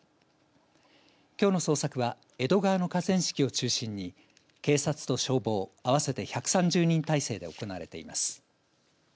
きょうの捜索は江戸川の河川敷を中心に警察と消防、合わせて１３０人態勢で行われています。